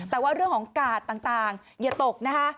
แต่ว่าเรื่องของกาดต่างอย่าตกนะคะ